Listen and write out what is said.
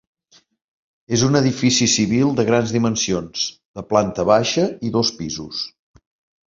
És un edifici civil de grans dimensions, de planta baixa i dos pisos.